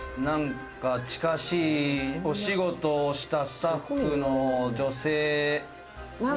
「なんか近しいお仕事をしたスタッフの女性に」。